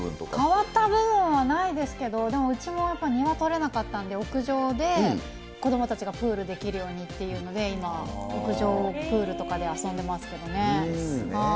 変わった部分はないですけど、でも、うちもやっぱ庭取れなかったんで、屋上で子どもたちがプールできるようにっていうので、今、屋上をプールとかで遊んでますけどね。